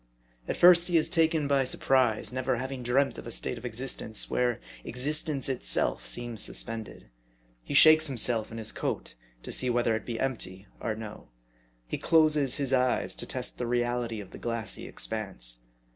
At first he is taken by surprise, never having dreamt of a state of existence where existence itself seems suspended. He shakes himself in his coat, to see whether it be empty or no. He closes his eyes, to test the reality of the glassy expanse.